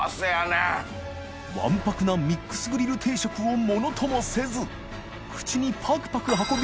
磴錣鵑僂ミックスグリル定食をものともせず禪㈭パクパク運び